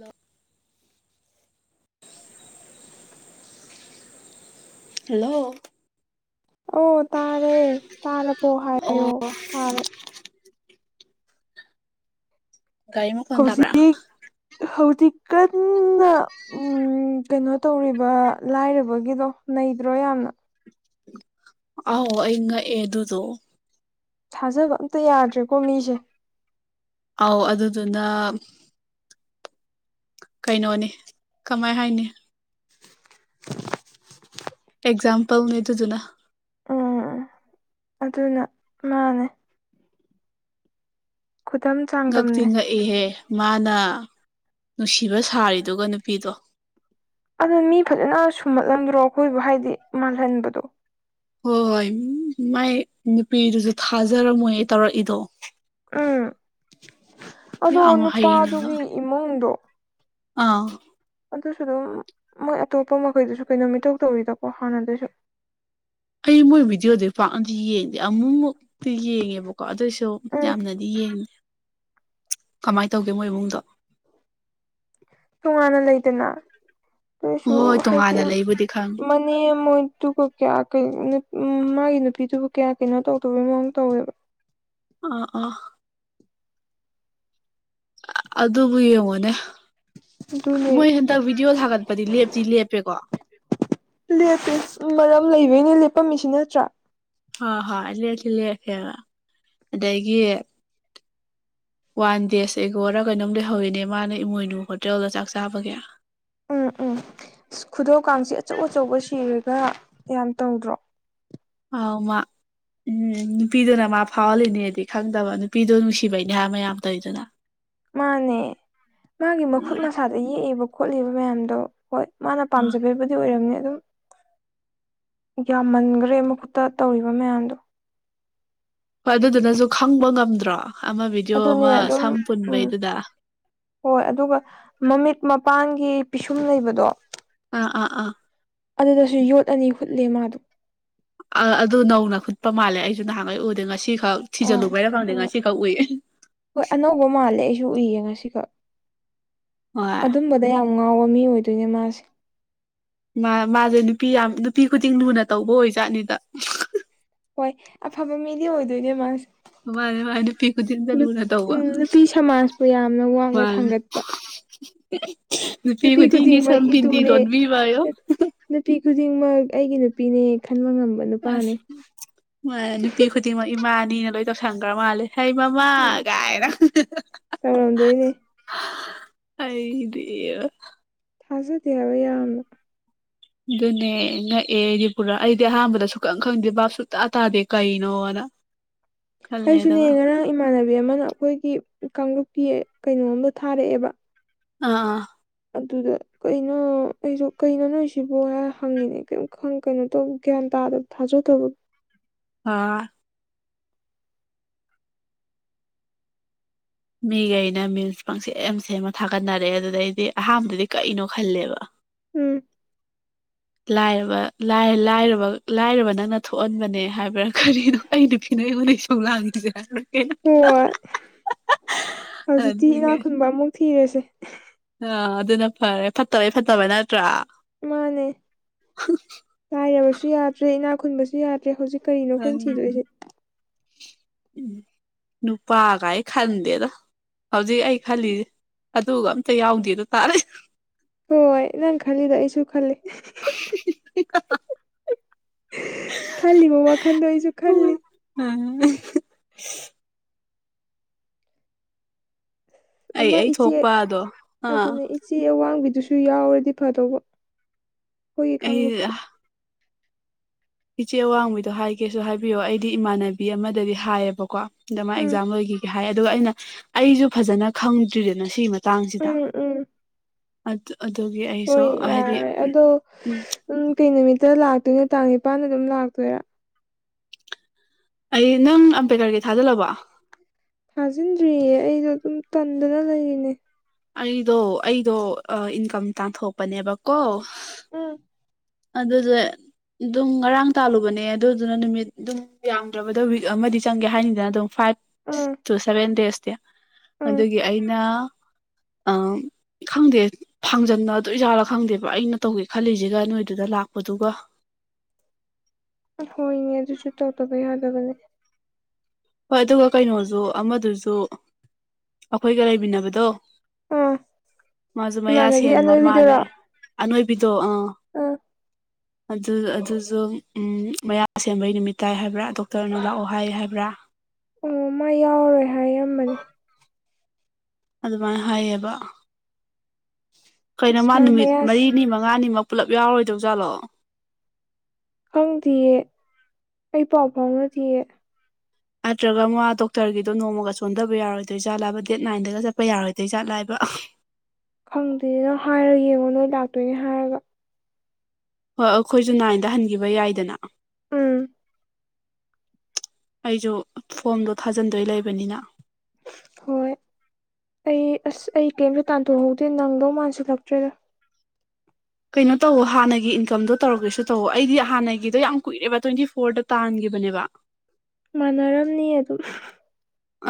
ꯂ ꯍꯜꯂꯣ ꯑꯣ ꯇꯥꯔꯦ ꯇꯥꯔꯕꯣ ꯑꯣ ꯍꯥꯏꯌꯣ ꯇꯥꯔꯦ ꯒꯥꯔꯤ ꯃꯈ ꯀꯟ ꯇꯥꯕ꯭ꯔꯥ ꯍꯧꯖꯤꯛ ꯍꯧꯖꯤꯛ ꯀꯟꯅ ꯎ ꯀꯩꯅꯣ ꯇꯧꯔꯤꯕ ꯂꯥꯏꯔꯕꯒꯤꯗꯣ ꯅꯩꯗ꯭ꯔꯣ ꯌꯥꯝꯅ ꯑꯥꯎ ꯏ ꯌꯦ ꯑꯗꯨꯗꯣ ꯊꯥꯖꯕ ꯑꯝꯇ ꯌꯥꯗ꯭ꯔꯦꯀꯣ ꯃꯤꯁꯦ ꯑꯥꯎ ꯑꯗꯨꯗꯨꯅ ꯀꯩꯅꯣꯅꯤ ꯀꯃꯥꯏ ꯍꯥꯏꯅꯤ ꯑꯦꯛꯖꯥꯝꯄꯜ ꯅ ꯇꯖꯅ ꯎꯝ ꯑꯗꯨꯅ ꯃꯥꯅꯦ ꯈꯨꯗꯝ ꯉꯛꯇ ꯆꯥꯡꯗꯝꯅꯦ ꯉꯛꯏꯍꯦ ꯃꯥꯅ ꯅꯨꯡꯁꯤꯕ ꯁꯥꯔꯤꯗꯨꯒ ꯅꯨꯄꯤꯗꯣ ꯑꯗ ꯃꯤ ꯐꯖꯅ ꯁꯨꯝꯍꯠꯂꯝꯗ꯭ꯔꯣ ꯑꯩꯈꯣꯏꯕꯨ ꯍꯥꯏꯗꯤ ꯃꯥꯜꯍꯟꯕꯗꯣ ꯍꯣꯏ ꯍꯣꯏ ꯃꯥꯏ ꯅꯨꯄꯤꯗꯨꯁꯨ ꯊꯥꯖꯔꯝꯃꯣꯏ ꯇꯧꯔꯛꯏꯗꯣ ꯎꯝ ꯑꯗꯣ ꯌꯥꯝ ꯍꯩꯅꯒ ꯅꯨꯄꯥꯗꯨꯒꯤ ꯏꯃꯨꯡꯗꯣ ꯑꯥ ꯑꯗꯨꯁꯨ ꯑꯗꯨꯝ ꯃꯣꯏ ꯑꯇꯣꯞꯄ ꯃꯈꯩꯗꯁꯨ ꯀꯩꯅꯣ ꯃꯤꯊꯧꯧ ꯇꯧꯔꯤꯗꯀꯣ ꯍꯥꯟꯅꯗꯁꯨ ꯍꯌꯦꯡ ꯃꯣꯏ ꯚꯤꯗꯤꯑꯣꯗꯤ ꯄꯥꯛꯅꯗꯤ ꯌꯦꯡꯗꯦ ꯑꯃꯨꯃꯨꯛꯇꯤ ꯌꯦꯡꯉꯦꯕꯀꯣ ꯑꯗꯨꯑꯣꯏꯁꯨ ꯎꯝ ꯌꯥꯝꯅꯗꯤ ꯌꯦꯡꯉꯦ ꯀꯃꯥꯏꯅ ꯇꯧꯒꯦ ꯃꯣꯏ ꯏꯕꯨꯡꯗꯣ ꯇꯣꯉꯥꯟꯅ ꯂꯩꯗꯅ ꯇꯁꯨ ꯍꯣꯏ ꯍꯥꯏꯗꯤ ꯇꯣꯉꯥꯟꯅ ꯂꯩꯕꯨꯗꯤ ꯈꯪꯉꯦ ꯃꯅꯤ ꯃꯣꯏ ꯇꯨ ꯀ ꯀ ꯀ ꯎꯝ ꯃꯥꯒꯤ ꯅꯨꯄꯤꯗꯨꯕꯨ ꯀꯌꯥ ꯀꯩꯅꯣ ꯇꯧꯗꯕꯩ ꯃꯑꯣꯡ ꯇꯧꯋꯦꯕ ꯑꯥ ꯑꯥ ꯑꯗꯨꯕꯨ ꯌꯦꯡꯉꯣꯅꯦ ꯃꯣꯏ ꯑꯗꯨꯅꯦ ꯍꯟꯗꯛ ꯚꯤꯗꯤꯑꯣ ꯊꯒꯠꯄꯗꯤ ꯂꯦꯞꯇꯤ ꯂꯦꯞꯄꯦꯀꯣ ꯂꯦꯞ ꯃꯔꯝ ꯂꯩꯕꯩꯅꯦ ꯂꯦꯞꯄꯝꯃꯤꯁꯤ ꯅꯠꯇ꯭ꯔꯥ ꯍ ꯍꯣꯏ ꯂꯦꯁꯦ ꯂꯦꯁꯦ ꯑꯗꯒꯤ ꯋꯥꯟ ꯗꯦꯖ ꯑꯩꯒꯔ ꯀꯩꯅꯣꯝ ꯂꯩꯍꯧꯔꯤꯅꯦ ꯃꯥꯅ ꯏꯃꯣꯏꯅꯨ ꯍꯣꯇꯦꯜꯗ ꯆꯥꯛ ꯆꯥꯕꯒꯦ ꯈꯨꯗꯧ ꯀꯥꯡꯁꯤꯦ ꯑꯆꯧ ꯑꯆꯧꯕ ꯁꯤꯔꯒ ꯀꯌꯥꯝ ꯇꯧꯗ꯭ꯔꯣ ꯑꯃ ꯎꯝ ꯅꯨꯄꯤꯗꯨꯅ ꯃꯥ ꯐꯥꯎꯍꯜꯂꯤꯅꯦꯗꯤ ꯈꯪꯗꯕ ꯅꯨꯄꯤꯗꯣ ꯅꯨꯡꯁꯤꯕꯩꯅꯤꯍꯥ ꯃꯌꯥꯝ ꯇꯧꯋꯤꯗꯅ ꯃꯥꯅꯦ ꯃꯥꯒꯤ ꯃꯈꯨꯠ ꯃꯁꯥꯗ ꯌꯦꯛꯏꯕ ꯈꯣꯠꯂꯤꯕ ꯃꯌꯥꯝꯗꯣ ꯍꯣꯏ ꯃꯥꯅ ꯑꯥ ꯄꯥꯝꯖꯕꯤꯕꯨꯗꯤ ꯑꯣꯏꯔꯝꯅꯤ ꯑꯗꯨꯝ ꯌꯥꯝꯃꯟꯈ꯭ꯔꯦ ꯃꯈꯨꯠꯇ ꯇꯧꯔꯤꯕ ꯃꯌꯥꯝꯗꯣ ꯍꯣꯏ ꯑꯗꯨꯗꯨꯅꯁꯨ ꯈꯪꯕ ꯉꯝꯗ꯭ꯔꯣ ꯑꯃ ꯚꯤꯗꯤꯑꯣ ꯑꯗꯨꯅꯦ ꯑꯃ ꯑꯗꯨꯝ ꯁꯝ ꯎꯝ ꯄꯨꯟꯕꯩꯗꯨꯗ ꯍꯣꯏ ꯑꯗꯨꯒ ꯃꯃꯤꯠ ꯃꯄꯥꯟꯒꯤ ꯄꯤꯁꯨꯝ ꯂꯩꯕꯗꯣ ꯑꯥ ꯑꯥ ꯑꯥ ꯑꯗꯨꯗꯁꯨ ꯌꯣꯠ ꯑꯅꯤ ꯍꯨꯠꯂꯦ ꯃꯥꯗꯣ ꯑꯗꯨ ꯅꯧꯅ ꯈꯨꯨꯠꯄ ꯃꯥꯜꯂꯦ ꯑꯩꯁꯨ ꯅꯍꯥꯟꯈꯩ ꯎꯗꯦ ꯉꯁꯤ ꯈꯛ ꯑꯥ ꯊꯤꯖꯤꯜꯂꯨꯕ ꯍꯥꯏꯔ ꯈꯪꯗꯦ ꯍꯣꯏ ꯉꯁꯤ ꯈꯛ ꯎꯏ ꯁꯨ ꯎꯏꯌꯦ ꯉꯁꯤꯈꯛ ꯍꯣꯏ ꯑꯗꯨꯝꯕꯗ ꯌꯥꯝ ꯉꯥꯎꯕ ꯃꯤ ꯑꯣꯏꯗꯣꯏꯅꯦ ꯃꯥꯁꯦ ꯃꯥ ꯃꯥꯁꯦ ꯅꯨꯄꯤ ꯌꯥꯝ ꯅꯨꯄꯤ ꯈꯨꯗꯤꯡ ꯂꯨꯅ ꯇꯧꯕ ꯑꯣꯏꯖꯥꯠꯅꯤꯗ ꯍꯣꯏ ꯑꯐꯕ ꯃꯤꯗꯤ ꯑꯣꯏꯗꯣꯏꯅꯦ ꯃꯥꯁꯦ ꯃꯥꯅꯦ ꯃꯥ ꯅꯨꯄꯤ ꯈꯨꯗꯤꯟꯗ ꯂꯨꯅ ꯇꯧꯕ ꯎꯝ ꯅꯨꯄꯤ ꯁꯃꯥꯖꯄꯨ ꯌꯥꯝꯅ ꯋꯥꯡꯅ ꯃꯥꯅꯤ [inaudible] ꯊꯥꯡꯒꯠꯄ ꯅꯨꯄꯤ ꯈꯨꯗꯤꯡꯃꯛ ꯏꯇꯨꯅꯦ ꯂꯣꯟꯕꯤꯕ ꯌꯣ ꯅꯨꯄꯤ ꯈꯨꯗꯤꯡꯃꯛ ꯑꯩꯒꯤ ꯅꯨꯄꯤꯅꯦ ꯈꯟꯕ ꯉꯝꯕ ꯅꯨꯄꯥꯅꯦ ꯑꯁ ꯅꯨꯄꯤ ꯈꯨꯗꯤꯡꯃꯛ ꯏꯃꯥ ꯑꯅꯤꯅ ꯂꯣꯏ ꯇꯧꯁꯟꯈ꯭ꯔ ꯃꯥꯜꯂꯦ ꯍꯩ ꯃꯃꯥ ꯀꯥꯏꯔ ꯇꯧꯔꯝꯗꯣꯏꯅꯦ ꯑꯩꯗ ꯊꯥꯖꯗꯦ ꯍꯥꯏꯕ ꯌꯥꯝꯅ ꯑꯗꯨꯅꯦ ꯉꯛꯑꯦ ꯑꯩꯗꯤ ꯄꯨꯔꯥ ꯑꯩꯗꯤ ꯑꯍꯥꯟꯕꯗ ꯁꯨꯀꯪ ꯈꯪꯗꯦ ꯕꯥꯞ ꯁꯨꯇꯥ ꯇꯥꯗꯦ ꯀꯩꯅꯣꯅ [inaudible] ꯑꯩꯁꯨꯅꯦ ꯑꯗꯨꯒ ꯉꯔꯥꯡ ꯏꯃꯥꯟꯅꯕꯤ ꯑꯃꯅ ꯑꯩꯈꯣꯏꯒꯤ ꯀꯥꯡꯂꯨꯞꯀꯤ ꯀꯩꯅꯣꯝꯗ ꯊꯥꯔꯛꯑꯦꯕ ꯑꯥ ꯑꯗꯨꯗ ꯀꯩꯅꯣ ꯑꯩꯁꯨ ꯀꯩꯅꯣ ꯅꯣꯏ ꯁꯤꯕ ꯍꯪꯉꯤꯅꯦ ꯀꯩꯝ ꯈꯪ ꯀꯩꯅꯣ ꯇꯧ ꯒ꯭ꯌꯥꯟ ꯇꯧ ꯇꯥ ꯊꯥꯖ ꯇꯕꯣ ꯑꯥ ꯃꯤꯈꯩꯅ ꯃꯤꯜꯁ ꯄꯪ ꯁꯦꯝꯦ ꯁꯦꯝꯃ ꯊꯥꯒꯠꯅꯔꯛꯑꯦ ꯑꯗꯨꯗꯩꯗꯤ ꯑꯍꯥꯟꯕꯗꯗꯤ ꯀꯩꯅꯣ ꯈꯜꯂꯦꯕ ꯎꯝ ꯂꯥꯢꯔꯕ ꯂꯥꯏꯔꯕ ꯅꯪꯅ ꯊꯣꯛꯍꯟꯕꯅꯦ ꯍꯥꯏꯕ ꯀꯔꯤꯅꯣ ꯑꯩꯅ ꯐꯤꯅꯕꯩ ꯁ ꯂꯥꯡꯉꯖꯦꯣꯏ ꯍꯣꯏ ꯍꯧꯖꯤꯛꯇꯤ ꯏꯅꯥ ꯑꯗꯨꯒꯤ ꯈꯨꯨꯟꯕ ꯑꯃꯨꯛ ꯊꯤꯔꯁꯦ ꯑꯥ ꯑꯗꯨꯅ ꯐꯔꯦ ꯐꯠꯇꯕꯩ ꯐꯠꯇꯕꯩ ꯅꯠꯇ꯭ꯔꯥ ꯃꯥꯅꯦ ꯂꯥꯏꯔꯕꯁꯨ ꯌꯥꯗ꯭ꯔꯦ ꯏꯅꯥꯛ ꯈꯨꯟꯕꯁꯨ ꯌꯥꯗ꯭ꯔꯦ ꯍꯧꯖꯤꯛ ꯀꯅꯣ ꯑꯩꯈꯣꯏꯅ ꯊꯤꯗꯣꯏꯁꯦ ꯎ ꯅꯨ ꯄꯥꯒꯌꯦ ꯈꯪꯗꯦꯗ ꯍꯧꯖꯤꯛ ꯑꯩ ꯈꯜꯂꯤꯁꯦ ꯑꯗꯨꯒ ꯑꯝꯇ ꯌꯥꯎꯗꯦꯗ ꯇꯥꯔꯦ ꯍꯣꯏ ꯅꯪ ꯈꯜꯂꯤꯗ ꯑꯩꯁꯨ ꯈꯜꯂꯤꯦ [inaudible] ꯈꯜꯂꯤ ꯕꯕꯥ ꯈꯥꯟꯗ ꯑꯩꯁꯨ ꯈꯜꯂꯤ ꯎꯍ ꯑꯩ ꯑꯃ ꯑꯩ ꯏꯆꯦ ꯊꯣꯛꯄꯗꯣ ꯑꯥ ꯑꯗꯨꯅꯦ ꯏꯆꯦꯋꯥꯡꯕꯤꯗ ꯑꯗꯨꯁꯨ ꯌꯥꯎꯔꯗꯤ ꯐꯗꯧꯕ ꯍꯈꯣꯏꯒꯤ ꯑꯩ ꯀꯥꯡꯂꯨꯞꯇ ꯏꯆꯦ ꯑꯋꯥꯡꯕꯤꯗꯣ ꯍꯥꯏꯒꯦꯁꯨ ꯍꯥꯏꯕꯤꯌꯣ ꯑꯩꯗꯤ ꯏꯃꯥꯟꯅꯕꯤ ꯑꯃꯗꯗꯤ ꯍꯥꯏꯌꯦꯕꯀꯣ ꯗ ꯃꯥ ꯎꯝ ꯑꯦꯛꯖꯥꯝꯜꯒꯤ ꯍꯥꯏ ꯑꯗꯨꯒ ꯑꯩꯅ ꯑꯩꯁꯨ ꯐꯖꯅ ꯈꯪꯗ꯭ꯔꯤꯗꯅ ꯁꯤꯒꯤ ꯆꯥꯡꯁꯤꯗ ꯎꯝ ꯎꯝ ꯑꯗꯨ ꯑꯗꯨꯒꯤ ꯑꯩꯁꯨ ꯍꯣꯏ ꯍꯥꯏꯗꯤ ꯌꯥꯔꯦ ꯑꯗꯣ ꯎꯝ ꯀꯩ ꯅꯨꯃꯤꯠꯇ ꯂꯥꯛꯦ ꯑꯗꯨꯅ ꯇꯥꯡ ꯅꯤꯄꯥꯟꯗ ꯑꯗꯨꯝ ꯂꯥꯛꯇꯣꯏꯔꯥ ꯑꯩ ꯅꯪ ꯑꯝꯕꯦꯗꯀꯔꯒꯤ ꯊꯥꯖꯤꯜꯂꯕꯣ ꯊꯥꯖꯤꯟꯗ꯭ꯔꯤꯌꯦ ꯑꯩꯗꯣ ꯑꯗꯨꯝ ꯇꯟꯗꯅ ꯂꯩꯔꯤꯅꯦ ꯑꯩꯗꯣ ꯑꯩꯗꯣ ꯏꯟꯀꯝ ꯇꯥꯟꯊꯣꯛꯄꯅꯦꯕꯀꯣ ꯎꯝ ꯑꯗꯨꯗꯁ ꯑꯗꯨꯝ ꯉꯔꯥꯡ ꯇꯥꯜꯂꯨꯕꯅꯦ ꯑꯗꯨꯗꯨꯅ ꯅꯨꯃꯤꯠ ꯑꯗꯨꯝ ꯌꯥꯝꯗ꯭ꯔꯕꯗ ꯋꯤꯛ ꯑꯃꯗꯤ ꯆꯪꯒꯦ ꯍꯥꯏꯅꯤꯗꯅ ꯑꯗꯨꯝ ꯐ ꯐꯥꯏꯚ ꯎꯝ ꯇꯨ ꯁꯚꯦꯟ ꯗꯦꯖꯇꯤ ꯎꯝ ꯑꯗꯨꯒꯤ ꯑꯩꯅ ꯈꯪꯗꯦ ꯊꯥꯡꯖꯟꯅ ꯑꯗꯨ ꯑꯣꯏꯖꯥꯠꯂ ꯈꯪꯗꯦꯕ ꯑꯩꯅ ꯇꯧꯒꯦ ꯈꯜꯂꯤꯁꯤꯒ ꯅꯣꯏ ꯑꯗꯨꯗ ꯂꯥꯛꯄꯗꯨꯒ ꯍꯣꯏꯅꯦ ꯑꯗꯨꯁꯨ ꯇꯧꯗꯕ ꯌꯥꯗꯕꯅꯦ ꯍꯣꯏ ꯑꯗꯨꯒ ꯀꯩꯅꯣꯁꯨ ꯑꯃꯗꯨꯁꯨ ꯑꯩꯈꯣꯏꯒ ꯂꯩꯃꯤꯟꯅꯕꯗꯣ ꯑꯥ [inaudible] ꯃꯥꯁꯨ ꯃꯌꯥ ꯏꯃꯥꯟꯅꯕꯤ ꯁꯦꯝꯕ ꯑꯅꯣꯏꯕꯤꯗꯨꯔꯣ ꯃꯥꯜꯂꯦ ꯑꯅꯣꯏꯕꯤꯗꯣ ꯑꯥ ꯑꯥ ꯑꯗꯨ ꯑꯗꯨꯁꯨ ꯎ ꯃꯌꯥ ꯁꯦꯝꯕꯩ ꯅꯨꯃꯤꯠ ꯇꯥꯏ ꯍꯥꯏꯕ꯭ꯔꯥ ꯗꯣꯛꯇꯔꯅ ꯂꯥꯛꯑꯣ ꯍꯥꯏ ꯍꯥꯏꯕ꯭ꯔꯥ ꯑꯣ ꯃꯥ ꯌꯥꯎꯔꯔꯣꯏ ꯍꯥꯏꯔꯝꯕꯅꯦ ꯑꯗꯨꯃꯥꯏꯅ ꯍꯥꯏꯌꯦꯕ ꯑꯁ ꯀꯩꯅꯣꯃ ꯃꯥ ꯅꯨꯃꯤꯠ ꯃꯌꯥꯁꯦ ꯃꯔꯤꯅꯤ ꯃꯉꯥꯅꯤꯃꯛ ꯄꯨꯂꯞ ꯌꯥꯎꯔꯣꯏꯗꯧꯖꯥꯠꯂꯣ ꯈꯪꯗꯤꯌꯦ ꯑꯩ ꯄꯥꯎ ꯐꯥꯎꯅꯗꯌꯦ ꯅꯠꯇ꯭ꯔꯒ ꯃꯥ ꯗꯣꯛꯇꯔꯒꯤꯗꯣ ꯅꯣꯡꯃꯒ ꯆꯣꯟꯊꯕ ꯌꯥꯔꯣꯏꯗꯣꯏꯖꯥꯠꯂꯥꯕ ꯗꯦꯠ ꯅꯥꯏꯟꯗ ꯆꯠꯄ ꯌꯥꯔꯣꯏꯗꯣꯏ ꯖꯥꯠꯂꯑꯕ ꯑ ꯈꯪꯗꯣꯏꯅ ꯍꯥꯏꯔ ꯌꯦꯡꯉꯣ ꯅꯣꯏ ꯂꯥꯛꯇꯣꯏꯅꯦ ꯍꯥꯏꯔꯒ ꯍꯣꯏ ꯑꯩꯈꯣꯏꯁꯨ ꯅꯥꯏꯟꯗ ꯍꯟꯈꯤꯕ ꯌꯥꯏꯗꯅ ꯎꯝ ꯑꯩꯁꯨ ꯐꯣꯝꯗꯣ ꯊꯥꯖꯤꯟꯗꯣꯏ ꯂꯩꯕꯅꯤꯅ ꯍꯣꯏ ꯑꯩ ꯑꯁ ꯑꯩ ꯀꯔꯤꯝꯇ ꯇꯥꯟꯊꯣꯛꯍꯧꯗꯦ ꯅꯪꯗꯧ ꯃꯥꯟꯁꯤꯜꯂꯛꯇ꯭ꯔꯦꯗ ꯀꯩꯅꯣ ꯇꯧꯋ ꯍꯥꯟꯅꯒꯤ ꯏꯟꯀꯝꯗꯣ ꯇꯧꯔꯒꯦꯁꯨ ꯇꯧꯋ ꯑꯩꯗꯤ ꯍꯥꯟꯅꯒꯤꯗꯣ ꯌꯥꯝ ꯀꯨꯏꯔꯦꯕ ꯇ꯭ꯋꯦꯟꯇꯤ ꯐꯣꯔꯗ ꯇꯥꯟꯒꯦ ꯕꯅꯦꯕ ꯃꯅꯔꯝꯅꯤ ꯑꯗꯨꯝ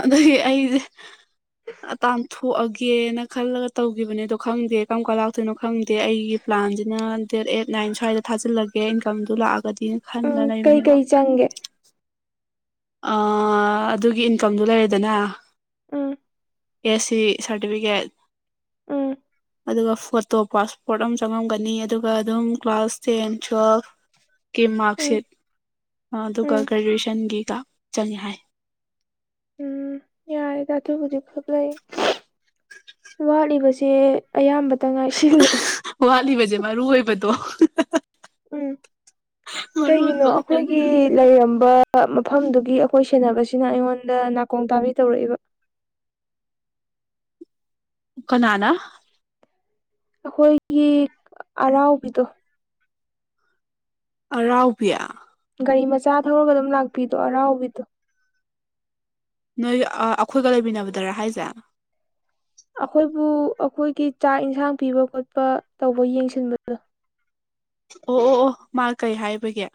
ꯑꯗꯨꯗꯒꯤ ꯑꯩꯁꯦ ꯇꯊꯣ ꯊꯣꯛꯑꯒꯦꯅ ꯈꯜꯂꯒ ꯇꯧꯈꯤꯕꯅꯦ ꯑꯗꯣ ꯈꯪꯗꯦ ꯀꯔꯝ ꯀꯥꯟ ꯂꯥꯛꯇꯣꯏꯅꯣ ꯈꯪꯗꯦ ꯑꯩꯒꯤ ꯄ꯭ꯂꯥꯟꯁꯤꯅ ꯑꯦꯠ ꯅꯥꯏꯟ ꯁ꯭ꯋꯥꯏꯗ ꯊꯥꯖꯤꯜꯂꯒꯦ ꯏꯟꯀꯝꯗꯨ ꯂꯥꯛꯑꯒꯗꯤ ꯎꯝ ꯈꯟꯂ ꯂꯩꯕꯅꯦꯕ ꯀꯩꯀꯩ ꯆꯪꯒꯦ ꯑꯗꯨꯒꯤ ꯏꯟꯀꯝꯗꯨ ꯂꯩꯔꯦꯗꯅ ꯎꯝ ꯑꯦꯁ ꯁꯤ ꯁꯥꯔꯇꯤꯐꯤꯀꯦꯠ ꯎꯝ ꯑꯗꯨꯒ ꯐꯣꯔꯠ ꯇꯣꯞ ꯄꯥꯁꯄꯣꯔꯠ ꯑꯃ ꯆꯪꯉꯂꯝꯒꯅꯤ ꯑꯗꯨꯒ ꯑꯗꯨꯝ ꯀ꯭ꯂꯥꯁ ꯇꯦꯟ ꯇꯨꯋꯦꯜꯐ ꯀꯤ ꯎꯝ ꯃꯥꯔꯛꯁꯤꯠ ꯑꯗꯨꯒ ꯎꯝ ꯒ꯭ꯔꯦꯖꯨꯋꯦꯁꯟꯒꯤꯒ ꯆꯪꯉ ꯍꯥꯏ ꯌꯥꯔꯦ ꯇꯥꯊꯨꯕꯨꯗꯤꯛꯈꯛ ꯂꯩ ꯋꯥꯠꯂꯤꯕꯁꯦ ꯑꯌꯥꯝꯕ ꯋꯥ ꯋꯥꯂꯤꯕꯖꯦ ꯃꯥꯔꯨ ꯑꯣꯏꯣꯏꯕꯊ ꯎꯝ ꯀꯩꯒꯤꯅꯣ ꯑꯣꯏꯕ ꯈꯛꯇꯪ ꯑꯩꯈꯣꯏꯒꯤ ꯂꯩꯔꯝꯕ ꯃꯐꯝꯗꯨꯒꯤ ꯑꯩꯈꯣꯏ ꯁꯦꯟꯅꯕꯁꯤꯅ ꯑꯩꯉꯣꯟꯗ ꯅꯥꯀꯣꯡ ꯇꯥꯕꯤ ꯇꯧꯔꯛꯏꯕ [inaudible] ꯀꯅꯥꯅꯥ ꯑꯩꯈꯣꯏꯒꯤ ꯑꯔꯥꯎꯕꯤꯗꯣ ꯔꯥꯎꯕꯤꯌꯥ ꯀꯔꯤ ꯃꯆꯥ ꯊꯧꯔꯒ ꯑꯗꯨꯝ ꯂꯥꯛꯄꯤꯗꯣ ꯑꯔꯥꯎꯕꯤꯗꯣ ꯅꯣꯏ ꯑꯩꯈꯣꯏꯒ ꯂꯩꯃꯤꯟꯅꯕꯗꯔꯥ ꯍꯥꯏꯁꯦ ꯑꯩꯈꯣꯏꯕꯨ ꯑꯩꯈꯣꯏꯒꯤ ꯆꯥꯛ ꯏꯟꯁꯥꯡ ꯄꯤꯕ ꯈꯣꯠꯄ ꯇꯧꯕ ꯌꯦꯡꯁꯤꯟꯕꯗꯣ ꯑꯣ ꯑꯣ ꯑꯣ ꯃꯥ ꯀꯩ ꯍꯥꯏꯕꯒꯦ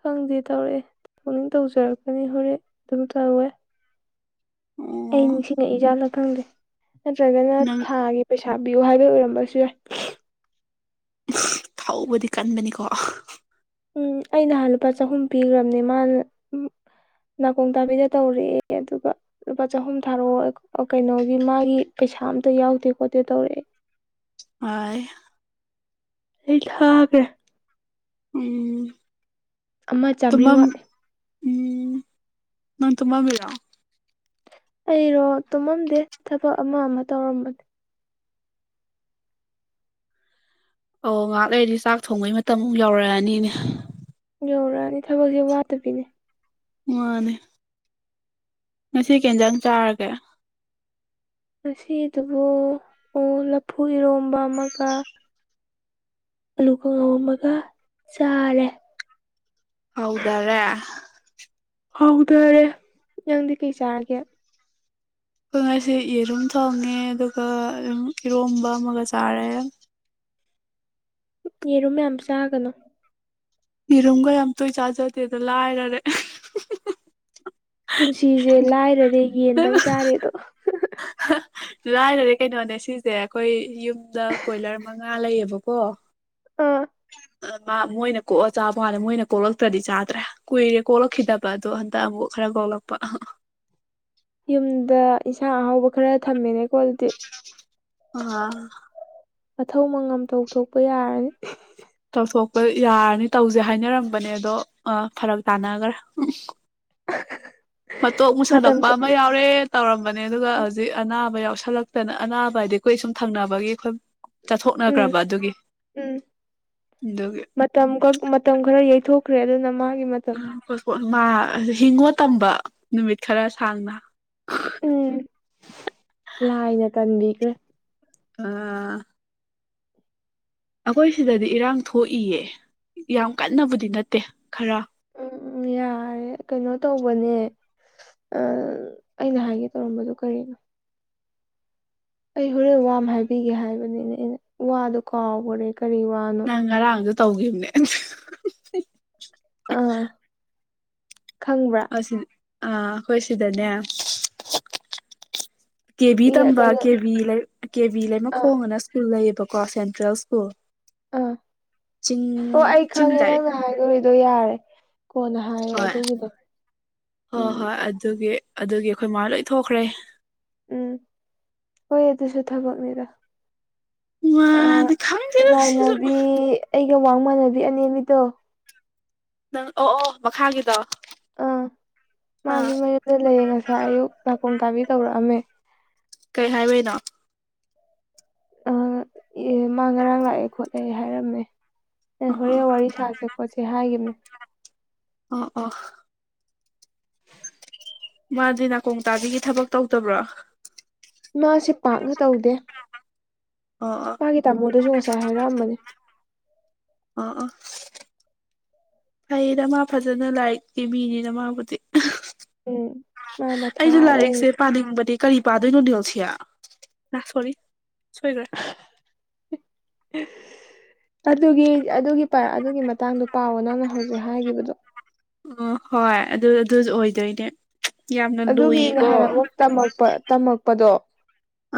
ꯈꯪꯗꯦ ꯇꯧꯔꯛꯑꯦ ꯄꯨꯧꯛꯅꯤꯡ ꯇꯧꯖꯔꯛꯀꯅꯤ ꯍꯣꯔꯦꯟ ꯑꯗꯨꯝ ꯇꯧꯋꯦ ꯑꯩ ꯑꯣ ꯅꯤꯡꯁꯤꯡꯉꯛꯏꯖꯥꯠꯂ ꯈꯪꯗꯦ ꯅꯠꯇ꯭ꯔꯒꯅ ꯅꯪ ꯊꯥꯒꯤ ꯄꯩꯁꯥ ꯊꯥꯕꯤꯌꯣ ꯍꯥꯏꯕ ꯑꯣꯏꯔꯝꯕꯁꯨ ꯌꯥꯏ ꯊꯥꯎꯧꯕꯗꯤ ꯀꯟꯕꯅꯤꯀꯣ ꯎꯝ ꯑꯩ ꯅꯍꯥꯟ ꯂꯨꯄꯥ ꯆꯍꯨꯝ ꯄꯤꯈ꯭ꯔꯕꯅꯦ ꯃꯥꯅ ꯅꯥꯀꯣꯡ ꯇꯥꯕꯤꯗ ꯇꯧꯔꯛꯑꯦ ꯑꯗꯨꯒ ꯂꯨꯄꯥ ꯆꯍꯨꯝ ꯊꯥꯔꯛꯑꯣ ꯀꯩꯅꯣꯒꯤ ꯃꯥꯒꯤ ꯄꯩꯁꯥ ꯑꯝꯇ ꯌꯥꯎꯗꯦ ꯈꯣꯠꯇꯦ ꯇꯧꯔꯛꯑꯦ ꯍ ꯑꯩ ꯊꯥꯒ꯭ꯔꯦ ꯎꯝ ꯑꯃ ꯆꯥꯃ꯭ꯔꯤ ꯇꯨꯝꯃꯝ ꯋꯥꯠꯂꯤꯦ ꯎꯝ ꯅꯪ ꯇꯨꯝꯃ ꯕꯤꯔꯣ ꯑꯩꯔꯣ ꯇꯨꯝꯃꯝꯗꯦ ꯊꯕꯛ ꯑꯃ ꯑꯃ ꯇꯧꯔꯝꯕꯅꯦ ꯑꯣ ꯉꯥꯏꯍꯥꯛ ꯂꯩꯗꯤ ꯆꯥꯛ ꯊꯣꯡꯕꯩ ꯃꯇꯝꯃꯨꯛ ꯌꯧꯔꯛꯑꯅꯤꯅꯦ ꯌꯧꯔꯛꯑꯅꯤ ꯊꯕꯛꯁꯦ ꯋꯥꯠꯇꯕꯤꯅꯦ ꯃꯥꯅꯦ ꯉꯁꯤ ꯀꯦꯟꯖꯥꯡ ꯆꯥꯔꯒꯦ ꯉꯁꯤꯗꯨꯕꯨ ꯂꯐꯨ ꯏꯔꯣꯝꯕ ꯑꯃꯒ ꯑꯥꯂꯨ ꯈꯉꯥꯎꯝ ꯑꯃꯒ ꯆꯥꯔꯦ ꯍꯥꯎꯗꯔꯦ ꯍꯧꯊꯔꯦ ꯅꯪꯗꯤ ꯀꯩ ꯆꯥꯔꯒꯦ ꯑꯩꯈꯣꯏ ꯉꯁꯤ ꯌꯦꯔꯨꯝ ꯊꯣꯡꯉꯦ ꯑꯗꯨꯒ ꯑꯗꯨꯝ ꯏꯔꯣꯝꯕ ꯑꯃꯒ ꯆꯥꯔꯦ ꯌꯦꯔꯨꯝ ꯃꯌꯥꯝ ꯆꯥꯒꯅꯨ ꯔꯨꯝꯒ ꯌꯥꯝ ꯇꯣꯏ ꯆꯥꯖꯗꯦꯗ ꯂꯥꯏꯔꯔꯦ ꯄꯨꯟꯁꯤꯁꯦ ꯂꯥꯏꯔꯔꯦ ꯌꯦꯟꯗꯪ ꯆꯥꯔꯦꯗꯣ ꯂꯥꯏꯅꯗꯤ ꯀꯩꯅꯣꯅꯦ ꯁꯤꯁꯦ ꯑꯩꯈꯣꯏ ꯌꯨꯝꯗ ꯀꯣꯏꯂꯔ ꯃꯉꯥ ꯂꯩꯌꯦꯕꯀꯣ ꯑꯥ ꯃꯥ ꯃꯣꯏꯅ ꯀꯣꯛꯑ ꯆꯥꯕ ꯍꯥꯟꯂ ꯃꯣꯏꯅ ꯀꯣꯛꯂꯛꯇ꯭ꯔꯗꯤ ꯆꯥꯗ꯭ꯔꯦ ꯀꯨꯏꯔꯦ ꯀꯣꯛꯂꯛꯈꯤꯗꯕ ꯑꯗꯣ ꯍꯟꯗꯛ ꯑꯃꯨꯛ ꯈꯔꯒꯣꯂꯄ ꯌꯨꯝꯗ ꯏꯁꯟꯥ ꯑꯍꯥꯎꯕ ꯈꯔ ꯊꯝꯃꯦꯅꯦꯀꯣ ꯑꯗꯨꯗꯤ ꯑ ꯃꯊꯧ ꯃꯉꯝ ꯇꯧ ꯊꯣꯛꯄ ꯌꯥꯔꯅꯤ ꯇꯧꯊꯣꯛꯄ ꯌꯥꯔꯅꯤ ꯇꯧꯁꯦ ꯍꯥꯏꯅꯔꯝꯕꯅꯦ ꯑꯗꯣ ꯐꯔꯛ ꯇꯥꯅꯈ꯭ꯔꯦ ꯃꯇꯣꯛ ꯃꯨ ꯃꯇꯝ ꯁꯥꯗꯛꯄ ꯀꯛ ꯑꯃ ꯌꯥꯎꯔꯦ ꯇꯧꯔꯝꯕꯅꯦ ꯑꯗꯨꯒ ꯍꯧꯖꯤꯛ ꯑꯅꯥꯕ ꯌꯥꯎꯁ ꯈꯜꯂꯛꯇꯅ ꯑꯅꯥꯕ ꯍꯥꯏꯗꯤ ꯀꯨꯣꯏ ꯁꯨꯝ ꯊꯪꯅꯕꯒꯤ ꯑꯩꯈꯣꯏ ꯎꯝ ꯆꯠꯊꯣꯛꯅꯈ꯭ꯔꯕ ꯑꯗꯨꯒꯤ ꯎꯝ ꯑꯗꯨꯒꯤ ꯃꯇꯝ ꯃꯇꯝ ꯈꯔ ꯌꯩꯊꯣꯛꯈ꯭ꯔꯦ ꯑꯗꯨꯅ ꯃꯥꯒꯤ ꯃꯇꯝ ꯃꯥ ꯍꯤꯡꯉꯣ ꯇꯝꯕ ꯅꯨꯃꯤꯠ ꯈꯔ ꯁꯥꯡꯅ ꯎꯝ ꯂꯥꯏꯅ ꯀꯟꯕꯤꯈ꯭ꯔꯦ ꯑꯥ ꯑꯩꯈꯣꯏ ꯁꯤꯗꯗꯤ ꯏꯔꯥꯡ ꯊꯣꯛꯏꯌꯦ ꯌꯥꯝ ꯀꯟꯅꯕꯨꯗꯤ ꯅꯠꯇꯦ ꯈꯔ [inaudible] ꯔꯦ ꯀꯩꯅꯣ ꯇꯧꯕꯅꯦ ꯑꯩꯅ ꯍꯥꯏꯒꯦ ꯇꯧꯔꯝꯕꯗꯨ ꯀꯔꯤꯅꯣ ꯑꯩ ꯍꯣꯔꯦꯟ ꯋꯥ ꯑꯃ ꯍꯥꯏꯕꯤꯒꯦ ꯍꯥꯏꯕꯅꯤꯅꯦ ꯑꯩꯅ ꯋꯥꯗꯣ ꯀꯥꯎꯈ꯭ꯔꯦ ꯀꯔꯤ ꯋꯥꯅꯣ ꯅꯪ ꯉꯔꯥꯡꯁꯨ ꯇꯧꯈꯤꯕꯅꯦ ꯑꯥ ꯈꯪꯕ꯭ꯔꯥ ꯑꯁꯤ ꯑꯥ ꯑꯩꯈꯣꯏ ꯁꯤꯗꯅꯦ ꯀꯦ ꯚꯕꯤ ꯇꯝꯕ ꯀꯩꯅꯣ ꯀꯦ ꯕꯤ ꯀꯦ ꯕꯤ ꯑꯥ ꯂꯩꯃꯈꯣꯡ ꯑꯅ ꯁ꯭ꯀꯨꯜ ꯂꯩꯌꯦꯕꯀꯣ ꯁꯦꯟꯇ꯭ꯔꯦꯜ ꯁ꯭ꯀꯨꯜ ꯑꯥ ꯆꯤꯡ ꯑꯣ ꯑꯩ ꯆꯤꯡ ꯈꯪꯉꯦ ꯗꯥꯏꯔꯦꯛ ꯅꯪꯅ ꯍꯥꯏꯗꯣꯔꯤꯗꯣ ꯌꯥꯔꯦ ꯀꯣꯟꯅ ꯍꯥꯏꯌꯣ ꯍꯣꯏ ꯑꯗꯨꯒꯤꯗꯣ ꯍꯣꯏ ꯎꯝ ꯍꯣꯏ ꯑꯗꯨꯒꯤ ꯑꯗꯨꯒꯤ ꯑꯩꯈꯣꯏ ꯃꯥꯥ ꯂꯣꯏ ꯊꯣꯛꯈ꯭ꯔꯦ ꯎꯝ ꯍꯣꯏ ꯑꯗꯨꯁꯨ ꯊꯕꯛꯅꯤꯗ ꯃꯥꯗꯤ ꯈꯪꯗꯦꯗ ꯁꯤꯁꯨ ꯏꯃꯥꯟꯅꯕꯤ ꯑꯩꯒ ꯋꯥꯃꯥꯟꯅꯕꯤ ꯑꯅꯦꯝꯅꯤꯗꯣ ꯅꯪ ꯑꯣ ꯑꯣ ꯃꯈꯥꯒꯤꯗꯣ ꯑꯥ ꯑꯥ ꯃꯥꯁꯨ ꯃꯌꯨꯝꯗ ꯂꯩꯌꯦ ꯉꯁꯥꯏ ꯑꯌꯨꯛ ꯅꯥꯀꯣꯡ ꯇꯥꯕꯤ ꯇꯧꯔꯛꯑꯝꯃꯦ ꯀꯩ ꯍꯥꯏꯔꯣꯏꯗ ꯑ ꯑꯦ ꯃꯥ ꯉꯔꯥꯡ ꯂꯥꯛꯑꯦ ꯈꯣꯠꯂꯦ ꯍꯥꯏꯔꯝꯃꯦ ꯑꯣ ꯍꯣꯔꯦꯟ ꯋꯥꯔꯤ ꯁꯥꯁꯦ ꯈꯣꯠꯁꯦ ꯍꯥꯏꯈꯤꯕꯅꯦ ꯑ ꯑ ꯃꯥꯗꯤ ꯅꯥꯀꯣꯡ ꯇꯥꯕꯤꯒꯤ ꯊꯕꯛ ꯇꯧꯗꯕ꯭ꯔꯣ ꯃꯥꯁꯦ ꯄꯥꯛꯅ ꯇꯧꯗꯦ ꯑꯣ ꯑꯣ ꯃꯥꯒꯤ ꯇꯥꯃꯣꯗꯁꯨ ꯉꯁꯥꯏ ꯍꯥꯏꯔꯛꯑꯝꯕꯅꯦ ꯑꯣ ꯑ ꯐꯩꯌꯦꯗ ꯃꯥ ꯐꯖꯅ ꯂꯥꯏꯔꯤꯛꯀꯤ ꯃꯤꯅꯤꯅ ꯃꯥꯕꯨꯗꯤ ꯎꯝ ꯃꯥ ꯑꯩꯅ ꯃꯊꯥꯗ ꯑꯣꯏꯅ ꯂꯥꯏꯔꯤꯛꯁꯦ ꯄꯥꯅꯤꯡꯕꯗꯤ ꯀꯔꯤ ꯄꯗꯣꯏꯅꯣ ꯑꯣꯁꯤꯌꯥ ꯁꯣꯔꯤ ꯁꯣꯏꯒ꯭ꯔꯦ ꯑꯗꯨꯒꯤ ꯑꯗꯨꯒꯤ ꯑꯗꯨꯒꯤ ꯃꯇꯥꯡꯗ ꯄꯥꯎꯋ ꯅꯪꯅ ꯍꯧꯖꯤꯛ ꯍꯥꯏꯈꯤꯕꯗꯣ ꯑꯣ ꯍꯣꯏ ꯑꯗꯨ ꯑꯗꯨꯁꯨ ꯑꯣꯏꯗꯣꯏꯅꯦ ꯌꯥꯝꯅ ꯑꯗꯨꯒꯤ ꯂꯨꯏꯀꯣ ꯅꯍꯥꯟ ꯑꯃꯨꯛ ꯇꯝꯃꯛꯄ ꯇꯝꯃꯛꯄꯗꯣ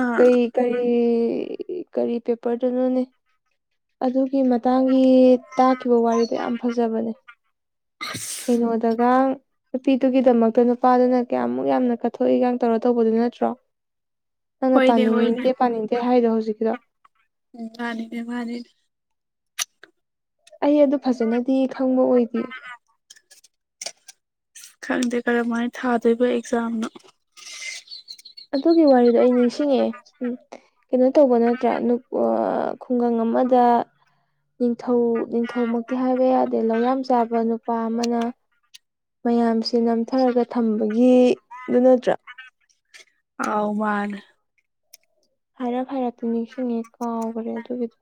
ꯑꯥ ꯀꯩ ꯀꯔꯤ ꯀꯔꯤ ꯄꯦꯄꯔꯗꯨꯅꯣꯅꯦ ꯑꯗꯨꯒꯤ ꯃꯇꯥꯡꯒꯤ ꯇꯥꯈꯤꯕ ꯋꯥꯔꯤꯗꯣ ꯌꯥꯝ ꯐꯖꯕꯅꯦ ꯀꯩꯅꯣꯗꯒ ꯅꯨꯄꯤꯗꯨꯒꯤꯗꯃꯛꯇ ꯅꯨꯄꯥꯗꯨꯅ ꯀꯌꯥꯃꯨꯛ ꯌꯥꯝꯅ ꯀꯠꯊꯣꯛꯏꯒ ꯇꯧꯔ ꯇꯧꯕꯗꯨ ꯅꯠꯇ꯭ꯔꯣ ꯅꯪꯅ ꯍꯣꯏꯅꯦ ꯍꯣꯏꯅꯦ ꯄꯥꯅꯤꯡꯗꯦ ꯄꯥꯅꯤꯡꯗꯦ ꯍꯥꯏꯗꯣ ꯍꯧꯖꯤꯛꯀꯤꯗꯣ ꯎꯝ ꯃꯥꯅꯤꯅꯦ ꯃꯥꯅꯤꯅꯦ ꯑꯩ ꯑꯗꯨ ꯐꯖꯅꯗꯤ ꯈꯪꯕ ꯑꯣꯏꯗꯦ ꯈꯪꯗꯦ ꯀꯔꯝꯍꯥꯏꯅ ꯊꯥꯗꯣꯏꯕ ꯑꯦꯛꯖꯥꯝꯅꯣ ꯑꯗꯨꯒꯤ ꯋꯥꯔꯤꯗꯣ ꯑꯩ ꯅꯤꯡꯁꯤꯡꯉꯛꯑꯦ ꯎ ꯀꯩꯅꯣ ꯇꯧꯕ ꯅꯠꯇ꯭ꯔꯥ ꯈꯨꯡꯒꯪ ꯑꯃ ꯃꯗ ꯅꯤꯡꯊꯧ ꯅꯤꯡꯊꯧꯃꯛꯇꯤ ꯍꯥꯏꯕ ꯌꯥꯗꯦ ꯂꯧ ꯌꯥꯝ ꯆꯥꯕ ꯅꯨꯄꯥ ꯑꯃꯅ ꯃꯌꯥꯝꯁꯦ ꯅꯝꯊꯔꯒ ꯊꯝꯕꯒꯤꯗꯨ ꯅꯠꯇ꯭ꯔꯥ ꯑꯧ ꯃꯅꯦ ꯍꯥꯏꯔꯞ ꯍꯥꯏꯔꯠꯄꯨꯗꯤ ꯅꯤꯡꯁꯤꯡꯉꯦ ꯀꯥꯎꯈ꯭ꯔꯦ ꯑꯗꯨꯒꯤꯗꯣ